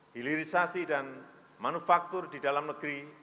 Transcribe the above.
hilirisasi dan manufaktur di dalam negeri